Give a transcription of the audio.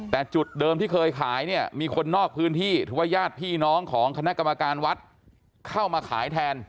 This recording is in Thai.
แต่จุดเดิมที่เคยขายเนี่ยมีคนนอกพื้นที่หรือว่าญาติพี่น้องของคณะกรรมการวัดเข้ามาขายแทน